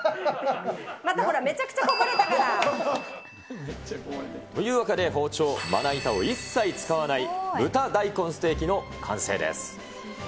またほら、めちゃくちゃこぼというわけで、包丁、まな板を一切使わない豚大根ステーキの完成です。